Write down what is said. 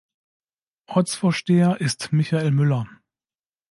Ortsvorsteher ist Michael Müller.